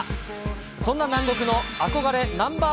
そんな南国の憧れナンバー